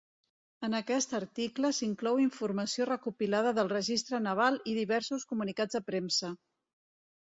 En aquest article s'inclou informació recopilada del registre naval i diversos comunicats de premsa.